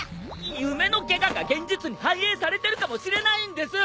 夢のケガが現実に反映されてるかもしれないんです！